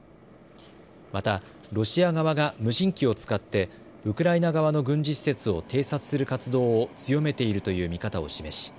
またロシア側が無人機を使ってウクライナ側の軍事施設を偵察する活動を強めているという見方を示し